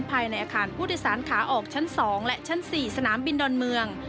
ภายในอาคารผู้โดยสารขาออกชั้น๒และชั้น๔สนามบินดอนเมือง